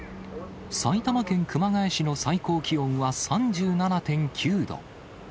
埼玉県熊谷市の最高気温は３７．９度。